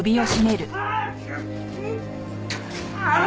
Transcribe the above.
ああ！